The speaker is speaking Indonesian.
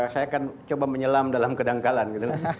saya akan coba menyelam dalam kedangkalan gitu